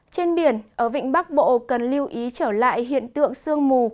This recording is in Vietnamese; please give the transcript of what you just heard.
trên biển ở vịnh bắc bộ cần lưu ý trở lại hiện tượng sương mù